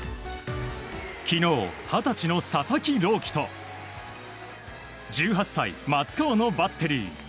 昨日、二十歳の佐々木朗希と１８歳松川のバッテリー。